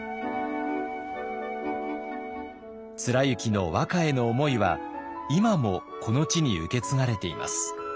貫之の和歌への思いは今もこの地に受け継がれています。